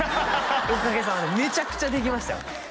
おかげさまでめちゃくちゃできましたよ